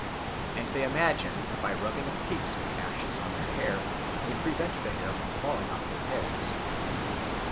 And they imagine that by rubbing a paste of the ashes on their hair they prevent the hair from falling off their heads.